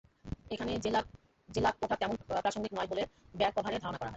এখানে জেলা কোটা তেমন প্রাসঙ্গিক নয় বলে ব্যাপকভাবে ধারণা করা হয়।